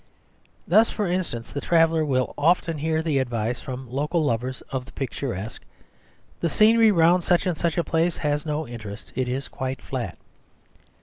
Thus, for instance, the traveller will often hear the advice from local lovers of the picturesque, "The scenery round such and such a place has no interest; it is quite flat."